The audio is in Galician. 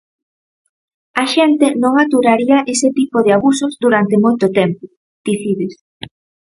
"A xente non aturaría ese tipo de abusos durante moito tempo", dicides.